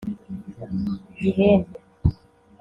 Gihembe